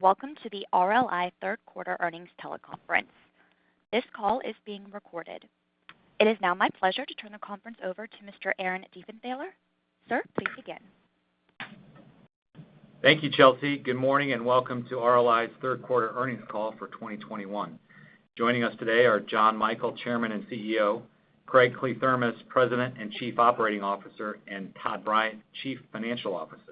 Welcome to the RLI third quarter earnings teleconference. This call is being recorded. It is now my pleasure to turn the conference over to Mr. Aaron Diefenthaler. Sir, please begin. Thank you, Chelsea. Good morning, and welcome to RLI's third quarter earnings call for 2021. Joining us today are Jon Michael, Chairman and CEO, Craig Kliethermes, President and Chief Operating Officer, and Todd Bryant, Chief Financial Officer.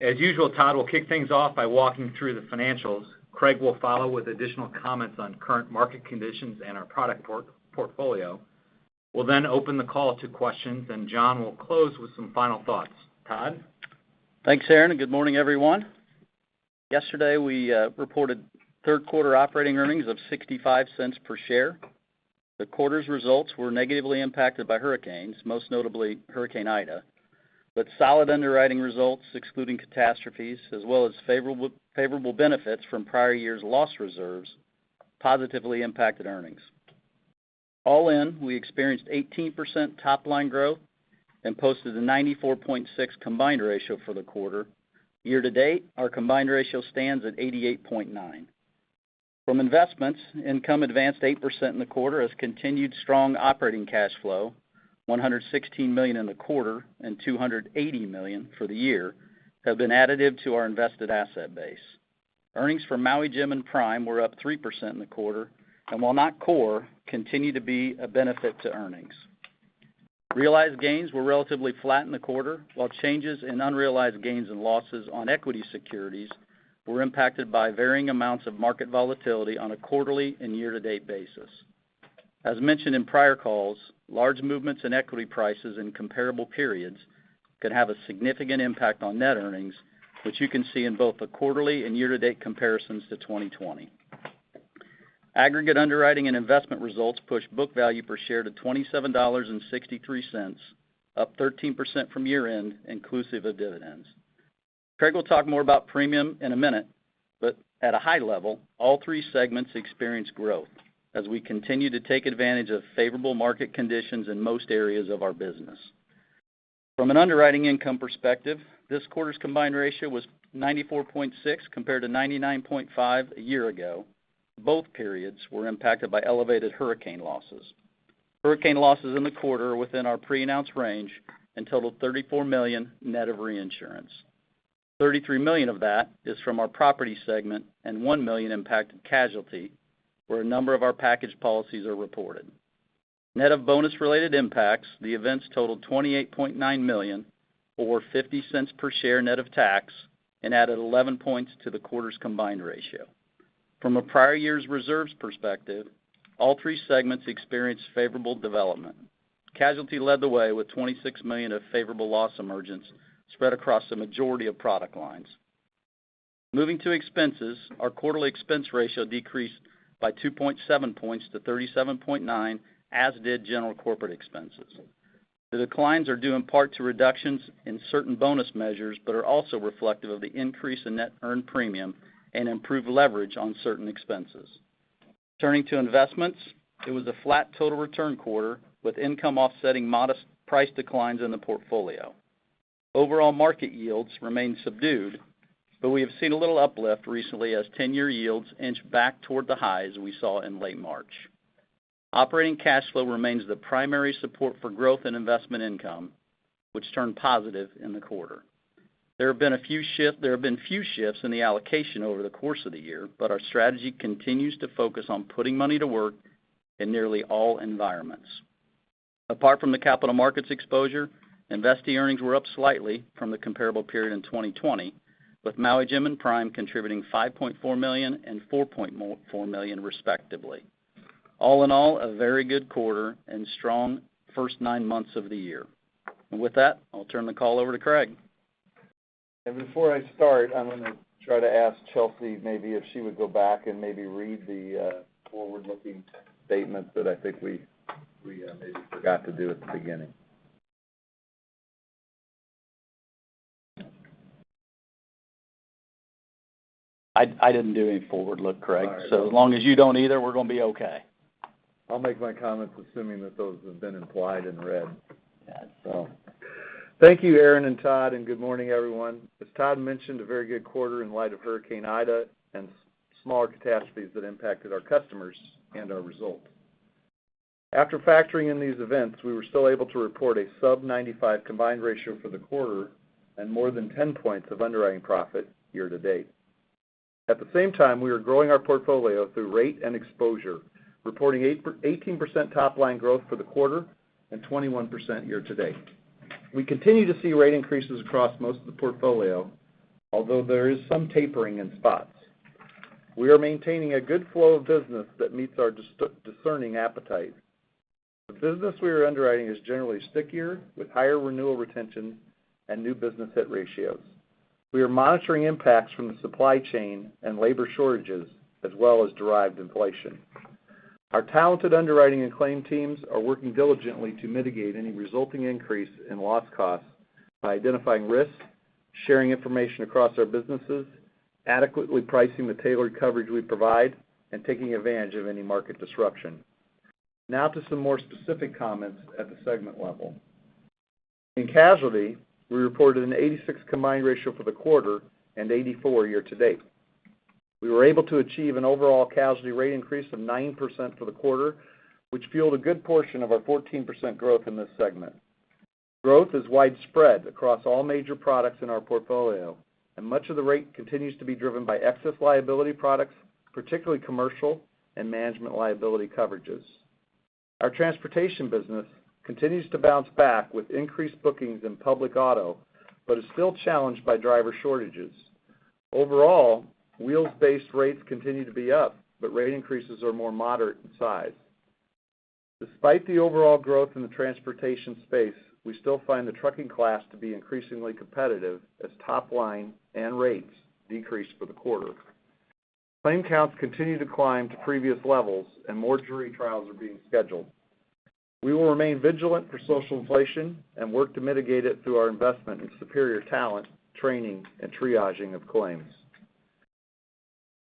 As usual, Todd will kick things off by walking through the financials. Craig will follow with additional comments on current market conditions and our product portfolio. We'll then open the call to questions, and Jon will close with some final thoughts. Todd? Thanks, Aaron. Good morning, everyone. Yesterday, we reported third quarter operating earnings of $0.65 per share. The quarter's results were negatively impacted by hurricanes, most notably Hurricane Ida. Solid underwriting results, excluding catastrophes, as well as favorable benefits from prior years' loss reserves positively impacted earnings. All in, we experienced 18% top-line growth and posted a 94.6% combined ratio for the quarter. Year to date, our combined ratio stands at 88.9%. From investments, income advanced 8% in the quarter as continued strong operating cash flow, $116 million in the quarter and $280 million for the year, have been additive to our invested asset base. Earnings for Maui Jim and Prime were up 3% in the quarter, and while not core, continue to be a benefit to earnings. Realized gains were relatively flat in the quarter, while changes in unrealized gains and losses on equity securities were impacted by varying amounts of market volatility on a quarterly and year-to-date basis. As mentioned in prior calls, large movements in equity prices in comparable periods could have a significant impact on net earnings, which you can see in both the quarterly and year-to-date comparisons to 2020. Aggregate underwriting and investment results pushed book value per share to $27.63, up 13% from year-end, inclusive of dividends. Craig will talk more about premium in a minute. At a high level, all three segments experienced growth as we continue to take advantage of favorable market conditions in most areas of our business. From an underwriting income perspective, this quarter's combined ratio was 94.6% compared to 99.5% a year ago. Both periods were impacted by elevated hurricane losses. Hurricane losses in the quarter were within our pre-announced range and totaled $34 million net of reinsurance. $33 million of that is from our property segment, and $1 million impacted casualty, where a number of our package policies are reported. Net of bonus-related impacts, the events totaled $28.9 million, or $0.50 per share net of tax and added 11 points to the quarter's combined ratio. From a prior year's reserves perspective, all three segments experienced favorable development. Casualty led the way with $26 million of favorable loss emergence spread across the majority of product lines. Moving to expenses, our quarterly expense ratio decreased by 2.7 points to 37.9%, as did general corporate expenses. The declines are due in part to reductions in certain bonus measures but are also reflective of the increase in net earned premium and improved leverage on certain expenses. Turning to investments, it was a flat total return quarter, with income offsetting modest price declines in the portfolio. Overall market yields remain subdued, but we have seen a little uplift recently as 10-year yields inch back toward the highs we saw in late March. Operating cash flow remains the primary support for growth and investment income, which turned positive in the quarter. There have been few shifts in the allocation over the course of the year, but our strategy continues to focus on putting money to work in nearly all environments. Apart from the capital markets exposure, investee earnings were up slightly from the comparable period in 2020, with Maui Jim and Prime contributing $5.4 million and $4.4 million respectively. All in all, a very good quarter and strong first nine months of the year. With that, I'll turn the call over to Craig. Before I start, I'm going to try to ask Chelsea maybe if she would go back and maybe read the forward-looking statement that I think we maybe forgot to do at the beginning. I didn't do any forward look, Craig. All right. As long as you don't either, we're going to be okay. I'll make my comments assuming that those have been implied and read. Yeah. Thank you, Aaron and Todd, and good morning, everyone. As Todd mentioned, a very good quarter in light of Hurricane Ida and smaller catastrophes that impacted our customers and our results. After factoring in these events, we were still able to report a sub 95 combined ratio for the quarter and more than 10 points of underwriting profit year to date. At the same time, we are growing our portfolio through rate and exposure, reporting 18% top-line growth for the quarter and 21% year to date. We continue to see rate increases across most of the portfolio, although there is some tapering in spots. We are maintaining a good flow of business that meets our discerning appetite. The business we are underwriting is generally stickier with higher renewal retention and new business hit ratios. We are monitoring impacts from the supply chain and labor shortages as well as derived inflation. Our talented underwriting and claim teams are working diligently to mitigate any resulting increase in loss costs by identifying risks, sharing information across our businesses, adequately pricing the tailored coverage we provide, and taking advantage of any market disruption. Now to some more specific comments at the segment level. In casualty, we reported an 86 combined ratio for the quarter and 84 year to date. We were able to achieve an overall casualty rate increase of 9% for the quarter, which fueled a good portion of our 14% growth in this segment. Growth is widespread across all major products in our portfolio, and much of the rate continues to be driven by excess liability products, particularly commercial and management liability coverages. Our transportation business continues to bounce back with increased bookings in public auto, but is still challenged by driver shortages. Overall, wheels-based rates continue to be up, but rate increases are more moderate in size. Despite the overall growth in the transportation space, we still find the trucking class to be increasingly competitive as top line and rates decrease for the quarter. Claim counts continue to climb to previous levels, and more jury trials are being scheduled. We will remain vigilant for social inflation and work to mitigate it through our investment in superior talent, training, and triaging of claims.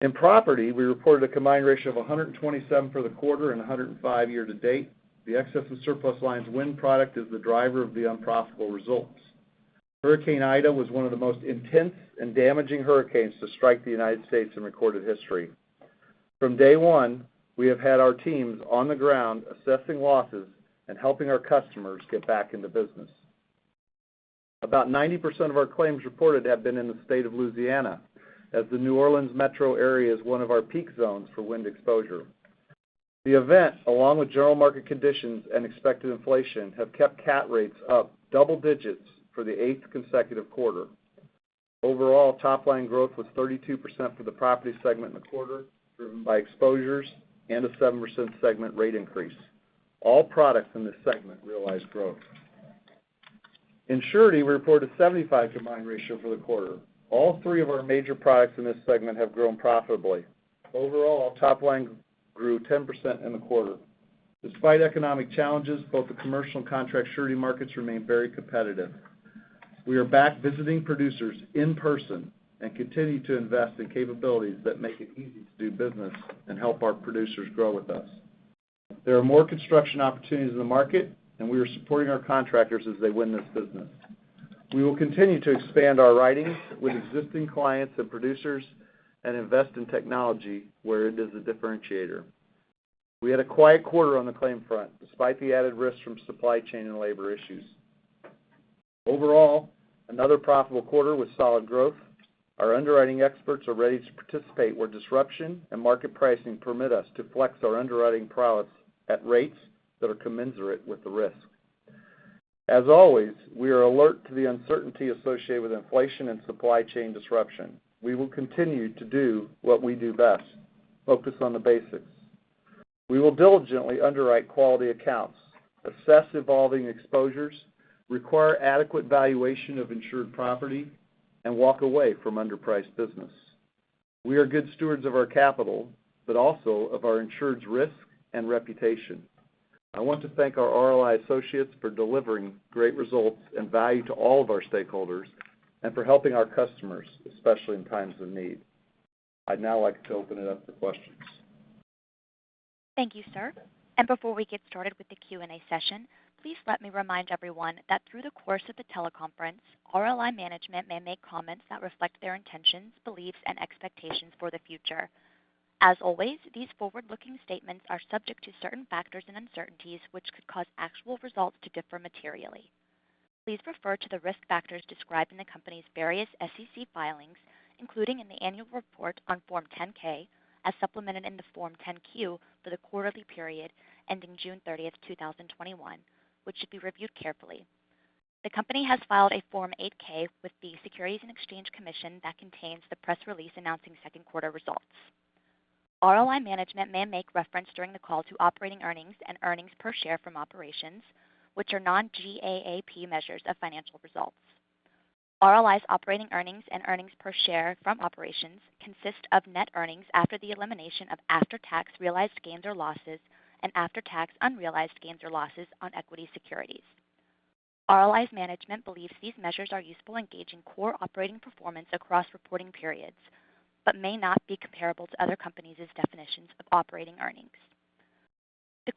In property, we reported a combined ratio of 127% for the quarter and 105% year-to-date. The excess and surplus lines wind product is the driver of the unprofitable results. Hurricane Ida was one of the most intense and damaging hurricanes to strike the U.S. in recorded history. From day one, we have had our teams on the ground assessing losses and helping our customers get back into business. About 90% of our claims reported have been in the State of Louisiana, as the New Orleans metro area is one of our peak zones for wind exposure. The event, along with general market conditions and expected inflation, have kept cat rates up double-digits for the eighth consecutive quarter. Overall, top line growth was 32% for the property segment in the quarter, driven by exposures and a 7% segment rate increase. All products in this segment realized growth. In surety, we reported 75% combined ratio for the quarter. All three of our major products in this segment have grown profitably. Overall, our top line grew 10% in the quarter. Despite economic challenges, both the commercial and contract surety markets remain very competitive. We are back visiting producers in person and continue to invest in capabilities that make it easy to do business and help our producers grow with us. There are more construction opportunities in the market, and we are supporting our contractors as they win this business. We will continue to expand our writings with existing clients and producers and invest in technology where it is a differentiator. We had a quiet quarter on the claim front, despite the added risk from supply chain and labor issues. Overall, another profitable quarter with solid growth. Our underwriting experts are ready to participate where disruption and market pricing permit us to flex our underwriting prowess at rates that are commensurate with the risk. As always, we are alert to the uncertainty associated with inflation and supply chain disruption. We will continue to do what we do best, focus on the basics. We will diligently underwrite quality accounts, assess evolving exposures, require adequate valuation of insured property, and walk away from underpriced business. We are good stewards of our capital, but also of our insured's risk and reputation. I want to thank our RLI associates for delivering great results and value to all of our stakeholders and for helping our customers, especially in times of need. I'd now like to open it up to questions. Thank you, sir. Before we get started with the Q&A session, please let me remind everyone that through the course of the teleconference, RLI management may make comments that reflect their intentions, beliefs, and expectations for the future. As always, these forward-looking statements are subject to certain factors and uncertainties which could cause actual results to differ materially. Please refer to the risk factors described in the company's various SEC filings, including in the annual report on Form 10-K, as supplemented in the Form 10-Q for the quarterly period ending June 30th, 2021, which should be reviewed carefully. The company has filed a Form 8-K with the Securities and Exchange Commission that contains the press release announcing second quarter results. RLI management may make reference during the call to operating earnings and earnings per share from operations, which are non-GAAP measures of financial results. RLI's operating earnings and earnings per share from operations consist of net earnings after the elimination of after-tax realized gains or losses and after-tax unrealized gains or losses on equity securities. RLI's management believes these measures are useful in gauging core operating performance across reporting periods, but may not be comparable to other companies' definitions of operating earnings. Our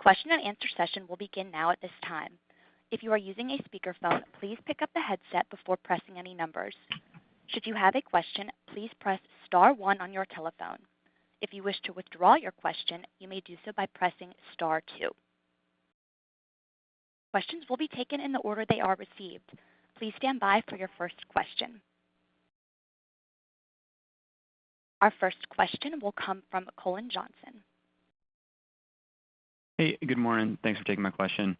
first question will come from Cullen Jonson. Hey, good morning. Thanks for taking my question.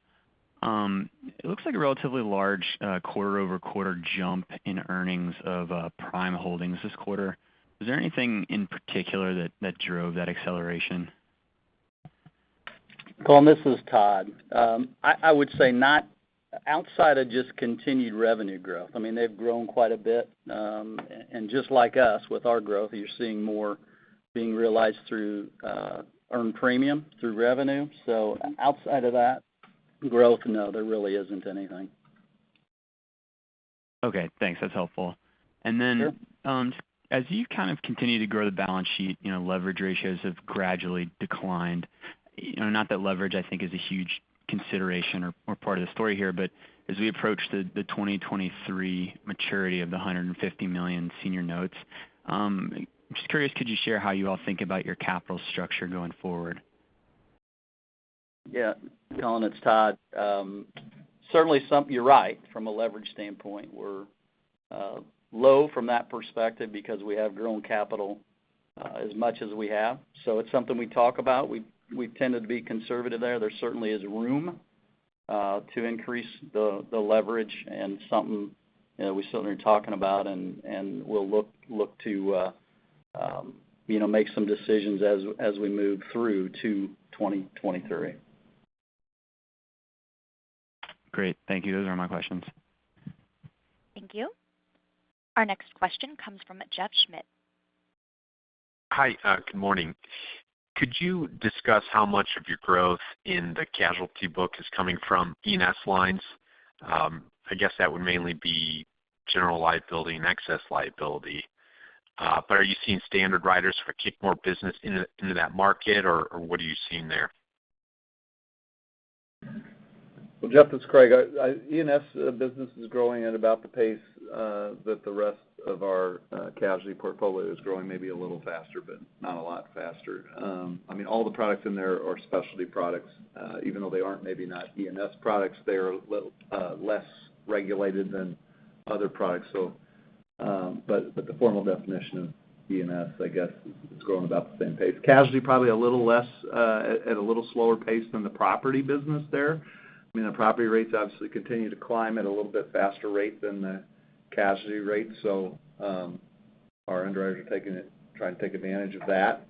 It looks like a relatively large quarter-over-quarter jump in earnings of Prime Holdings this quarter. Was there anything in particular that drove that acceleration? Cullen, this is Todd. I would say outside of just continued revenue growth. They've grown quite a bit, and just like us with our growth, you're seeing more being realized through earned premium, through revenue. Outside of that growth, no, there really isn't anything. Okay, thanks. That's helpful. Sure. As you continue to grow the balance sheet, leverage ratios have gradually declined. Not that leverage I think is a huge consideration or part of the story here, but as we approach the 2023 maturity of the $150 million senior notes, I'm just curious, could you share how you all think about your capital structure going forward? Cullen, it's Todd. Certainly something, you're right. From a leverage standpoint, we're low from that perspective because we have grown capital as much as we have, so it's something we talk about. We've tended to be conservative there. There certainly is room to increase the leverage and something we certainly are talking about and we'll look to make some decisions as we move through to 2023. Great. Thank you. Those are my questions. Thank you. Our next question comes from Jeff Schmitt. Hi. Good morning. Could you discuss how much of your growth in the casualty book is coming from E&S lines? I guess that would mainly be general liability and excess liability. Are you seeing standard writers fork more business into that market, or what are you seeing there? Jeff, it's Craig. E&S business is growing at about the pace that the rest of our casualty portfolio is growing, maybe a little faster, but not a lot faster. All the products in there are specialty products. Even though they aren't maybe not E&S products, they're less regulated than other products. The formal definition of E&S, I guess, is growing about the same pace. Casualty probably a little less, at a little slower pace than the property business there. The property rates obviously continue to climb at a little bit faster rate than the catastrophe rates. Our underwriters are trying to take advantage of that.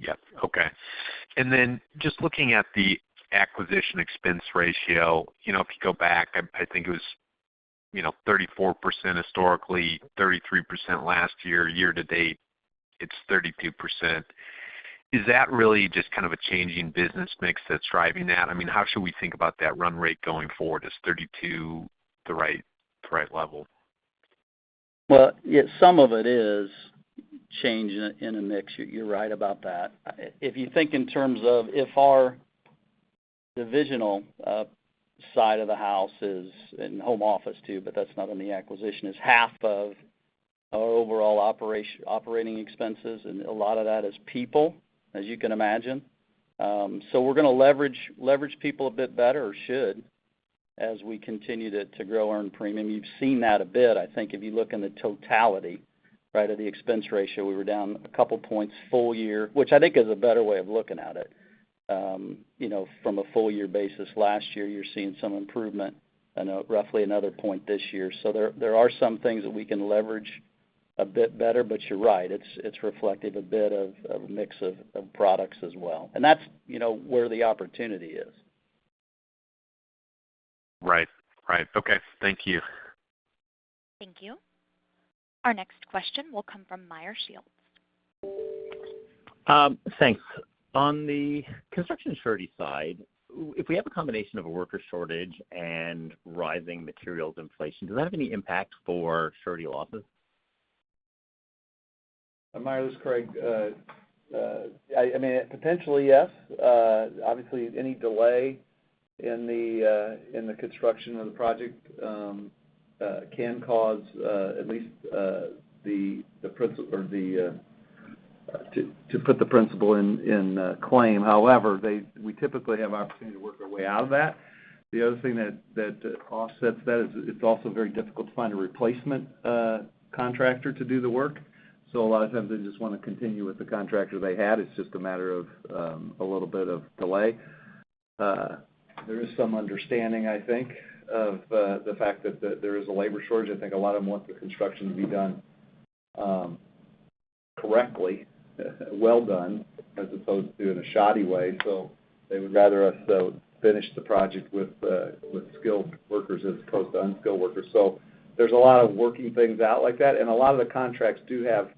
Yes. Okay. Just looking at the acquisition expense ratio, if you go back, I think it was 34% historically, 33% last year. Year to date, it's 32%. Is that really just a changing business mix that's driving that? How should we think about that run rate going forward? Is 32% the right level? Well, some of it is change in the mix. You're right about that. If you think in terms of if our divisional side of the house is, and home office too, but that's not in the acquisition, is half of our overall operating expenses, and a lot of that is people, as you can imagine. So we're going to leverage people a bit better, or should, as we continue to grow earned premium. You've seen that a bit, I think, if you look in the totality of the expense ratio. We were down two points full year, which I think is a better way of looking at it from a full year basis. Last year, you're seeing some improvement and roughly another one point this year. There are some things that we can leverage a bit better, but you're right, it's reflective a bit of a mix of products as well. That's where the opportunity is. Right. Okay. Thank you. Thank you. Our next question will come from Meyer Shields. Thanks. On the construction surety side, if we have a combination of a worker shortage and rising materials inflation, does that have any impact for surety losses? Meyer, this is Craig. Potentially, yes. Any delay in the construction of the project can cause at least to put the principal in claim. We typically have an opportunity to work our way out of that. The other thing that offsets that is it's also very difficult to find a replacement contractor to do the work. A lot of times they just want to continue with the contractor they had. It's just a matter of a little bit of delay. There is some understanding, I think, of the fact that there is a labor shortage. I think a lot of them want the construction to be done correctly, well done, as opposed to in a shoddy way. They would rather us finish the project with skilled workers as opposed to unskilled workers. There's a lot of working things out like that, and a lot of the contracts do have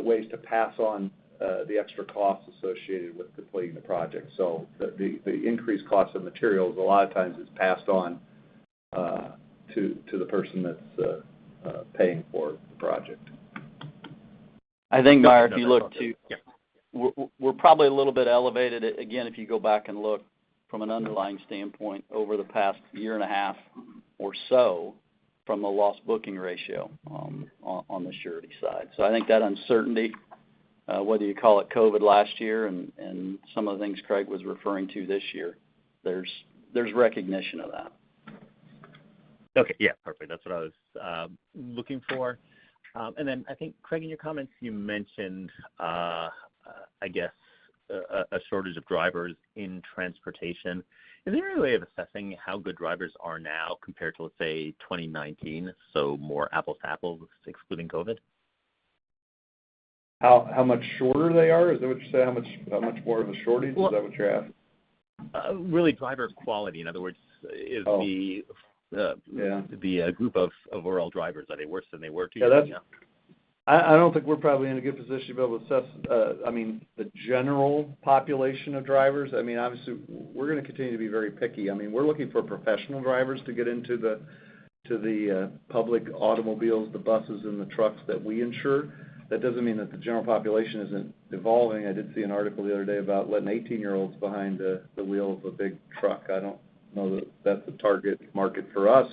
ways to pass on the extra costs associated with completing the project. The increased cost of materials a lot of times is passed on to the person that's paying for the project. I think, Meyer, if you look, too, we're probably a little bit elevated. Again, if you go back and look from an underlying standpoint over the past year and a half or so from a loss booking ratio on the surety side. I think that uncertainty, whether you call it COVID last year and some of the things Craig was referring to this year, there's recognition of that. Okay. Yeah, perfect. That's what I was looking for. I think, Craig, in your comments, you mentioned, I guess, a shortage of drivers in transportation. Is there any way of assessing how good drivers are now compared to, let's say, 2019? More apples to apples, excluding COVID. How much shorter they are? Is that what you're saying? How much more of a shortage? Is that what you're asking? Really, driver quality. Oh. Yeah. The group of overall drivers, are they worse than they were two years ago? I don't think we're probably in a good position to be able to assess the general population of drivers. Obviously, we're going to continue to be very picky. We're looking for professional drivers to get into the public automobiles, the buses, and the trucks that we insure. That doesn't mean that the general population isn't evolving. I did see an article the other day about letting 18-year-olds behind the wheel of a big truck. I don't know that that's a target market for us.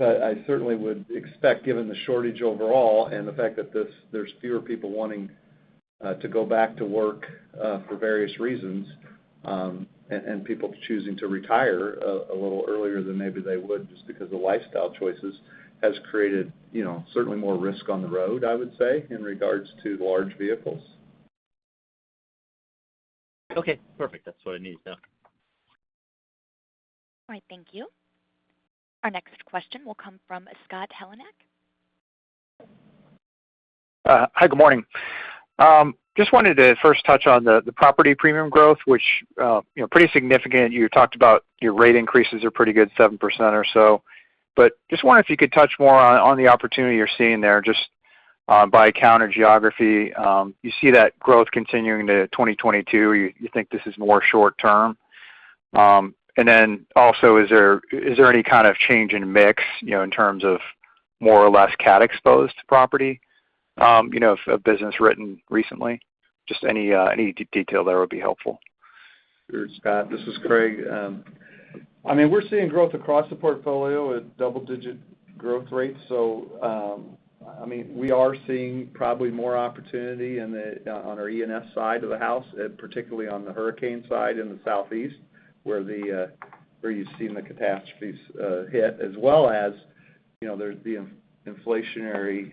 I certainly would expect, given the shortage overall, and the fact that there's fewer people wanting to go back to work for various reasons, and people choosing to retire a little earlier than maybe they would just because of lifestyle choices, has created certainly more risk on the road, I would say, in regards to large vehicles. Okay, perfect. That's what I needed to know. All right. Thank you. Our next question will come from Scott Heleniak. Hi, good morning. Wanted to first touch on the property premium growth, which, pretty significant. You talked about your rate increases are a pretty good 7% or so. Wonder if you could touch more on the opportunity you're seeing there, just by country geography. You see that growth continuing to 2022, or you think this is more short-term? Also, is there any kind of change in mix, in terms of more or less cat-exposed property of business written recently? Any detail there would be helpful. Sure, Scott. This is Craig. We're seeing growth across the portfolio at double-digit growth rates. We are seeing probably more opportunity on our E&S side of the house, particularly on the hurricane side in the Southeast, where you've seen the catastrophes hit. As well as, there's the inflationary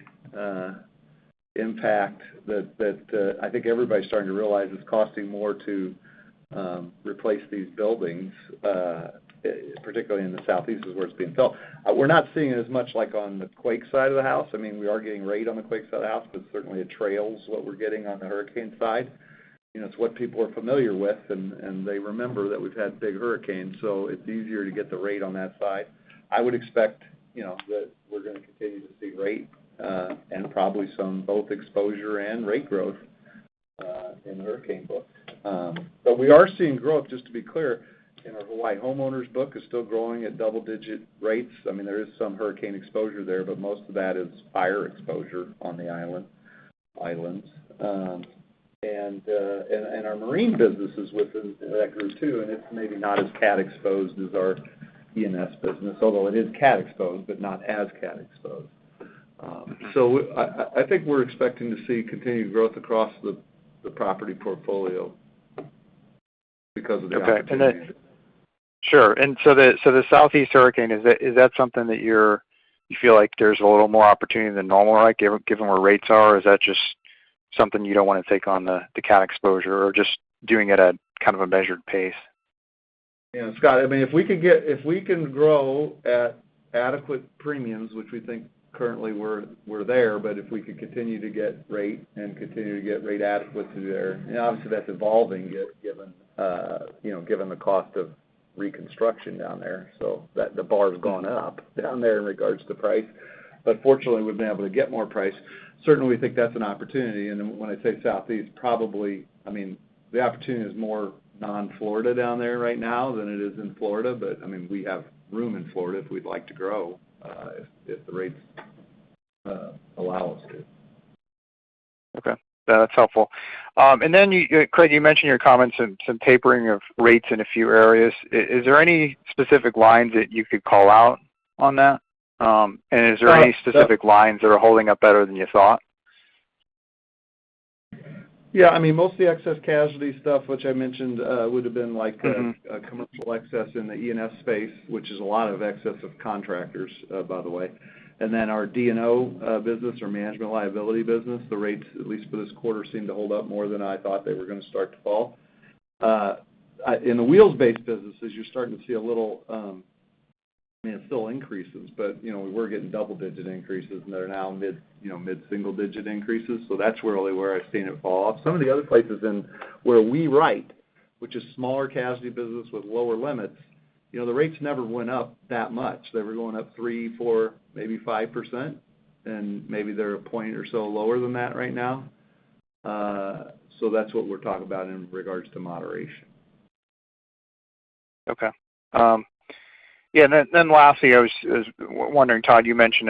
impact that I think everybody's starting to realize it's costing more to replace these buildings, particularly in the Southeast is where it's being felt. We're not seeing it as much like on the quake side of the house. We are getting rate on the quake side of the house, but certainly it trails what we're getting on the hurricane side. It's what people are familiar with, and they remember that we've had big hurricanes, so it's easier to get the rate on that side. I would expect that we're going to continue to see rate, and probably some both exposure and rate growth in the hurricane book. We are seeing growth, just to be clear, and our Hawaii homeowners book is still growing at double-digit rates. There is some hurricane exposure there, but most of that is fire exposure on the islands. Our marine business is within that group, too, and it's maybe not as cat-exposed as our E&S business. Although it is cat-exposed, but not as cat-exposed. I think we're expecting to see continued growth across the property portfolio because of the opportunities. Okay. Sure. The Southeast hurricane, is that something that you feel like there's a little more opportunity than normal, given where rates are, or is that just something you don't want to take on the cat exposure, or just doing it at kind of a measured pace? Scott, if we can grow at adequate premiums, which we think currently we're there, if we could continue to get rate and continue to get rate adequate to there, obviously that's evolving yet, given the cost of reconstruction down there, the bar's gone up down there in regards to price. Fortunately, we've been able to get more price. Certainly, we think that's an opportunity. When I say Southeast, probably the opportunity is more non-Florida down there right now than it is in Florida, but we have room in Florida if we'd like to grow, if the rates allow us to. Okay. That's helpful. Then Craig, you mentioned in your comments some tapering of rates in a few areas. Is there any specific lines that you could call out on that? Is there any specific lines that are holding up better than you thought? Yeah. Most of the excess casualty stuff, which I mentioned, would've been like a commercial excess in the E&S space, which is a lot of excess of contractors, by the way. Then our D&O business, or management liability business, the rates, at least for this quarter, seem to hold up more than I thought they were going to start to fall. In the wheels-based businesses, you're starting to see a little, it still increases, but we were getting double-digit increases, they're now mid-single digit increases, that's really where I've seen it fall off. Some of the other places in where we write, which is smaller casualty business with lower limits, the rates never went up that much. They were going up 3%, 4%, maybe 5%, maybe they're a point or so lower than that right now. That's what we're talking about in regards to moderation. Okay. Yeah, then lastly, I was wondering, Todd, you mentioned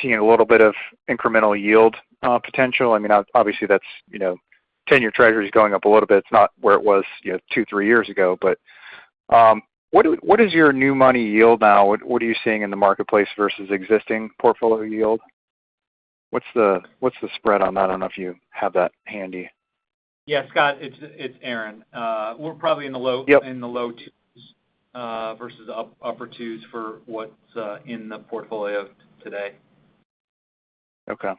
seeing a little bit of incremental yield potential. Obviously, that's 10-year Treasury's going up a little bit. It's not where it was two, three years ago, what is your new money yield now? What are you seeing in the marketplace versus existing portfolio yield? What's the spread on that? I don't know if you have that handy. Yeah, Scott, it's Aaron. We're probably in the low 2s versus upper 2s for what's in the portfolio today. Okay.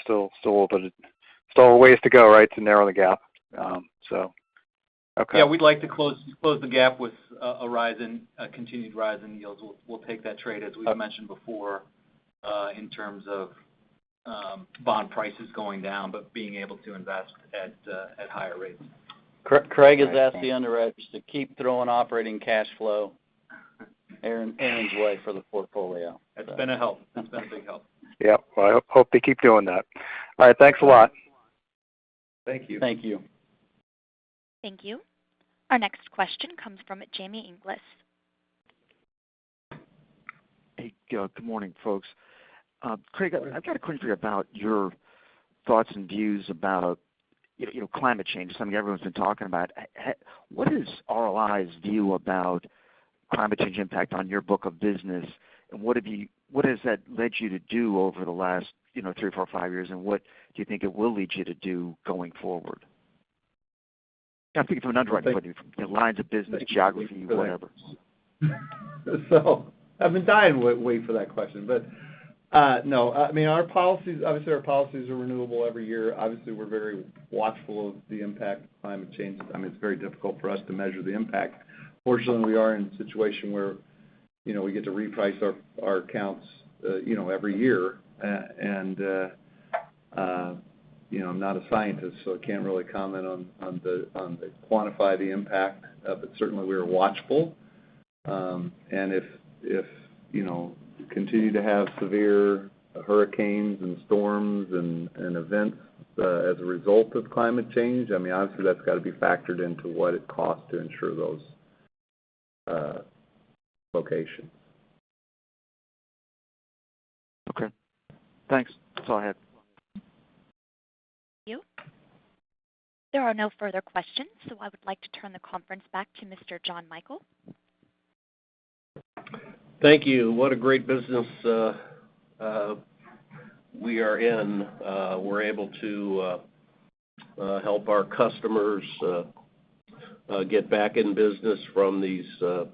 Still a ways to go, right? To narrow the gap. Okay. Yeah, we'd like to close the gap with a continued rise in yields. We'll take that trade, as we've mentioned before, in terms of bond prices going down, but being able to invest at higher rates. Craig has asked the underwriters to keep throwing operating cash flow Aaron's way for the portfolio. It's been a help. It's been a big help. Yep. Well, I hope they keep doing that. All right, thanks a lot. Thank you. Thank you. Thank you. Our next question comes from Jamie Inglis. Hey. Good morning, folks. Craig, I've got a question for you about your thoughts and views about climate change, something everyone's been talking about. What is RLI's view about climate change impact on your book of business, and what has that led you to do over the last three, four, five years, and what do you think it will lead you to do going forward? I'm thinking from an underwriting point of view, from lines of business, geography, whatever. I've been dying waiting for that question. No. Obviously, our policies are renewable every year. Obviously, we're very watchful of the impact of climate change. It's very difficult for us to measure the impact. Fortunately, we are in a situation where we get to reprice our accounts every year. I'm not a scientist, so I can't really comment, quantify the impact. Certainly, we are watchful. If we continue to have severe hurricanes and storms and events as a result of climate change, obviously that's got to be factored into what it costs to insure those locations. Okay. Thanks. That's all I had. Thank you. There are no further questions. I would like to turn the conference back to Mr. Jon Michael. Thank you. What a great business we are in. We're able to help our customers get back in business from the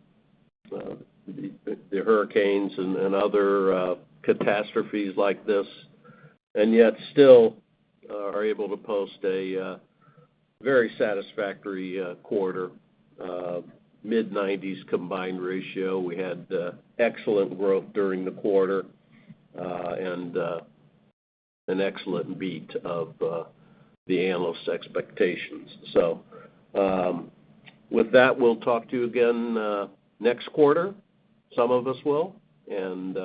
hurricanes and other catastrophes like this, and yet still are able to post a very satisfactory quarter, mid-90s combined ratio. We had excellent growth during the quarter, and an excellent beat of the analysts' expectations. With that, we'll talk to you again next quarter, some of us will, and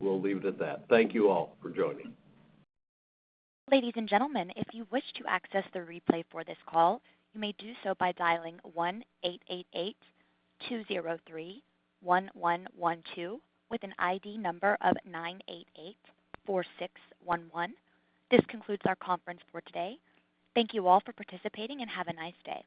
we'll leave it at that. Thank you all for joining. Ladies and gentlemen, if you wish to access the replay for this call, you may do so by dialing 1888-203-1112 with an ID number of 9884611. This concludes our conference for today. Thank you all for participating and have a nice day.